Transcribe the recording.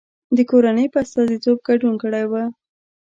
د کورنۍ په استازیتوب ګډون کړی و.